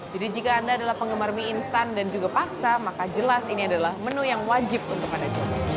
jadi jika anda adalah penggemar mi instant dan juga pasta maka jelas ini adalah menu yang wajib untuk anda